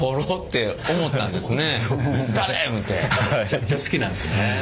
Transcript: めちゃくちゃ好きなんですね。